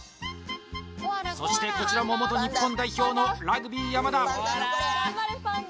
そしてこちらも元日本代表のラグビー・山田